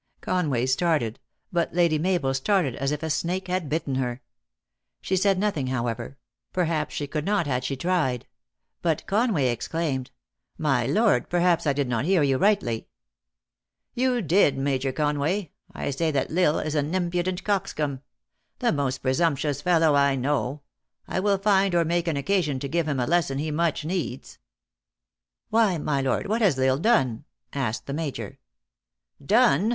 Conway started. But Lady Mabel started as if a snake had bitten her. She said nothing, however ; THE ACTKESS IN HIGH LIFE. 667 perhaps she could not had she tried. But Conway ex claimed :" My lord, perhaps I did not hear you rightly." " You did Major Conway. I say that L Isle is an impudent coxcomb. The most presumptuous fellow I know. I will find or make an occasion to give him a lesson he much needs." " Why, my lord, what has L Isle done ?" asked the Major. " Done !"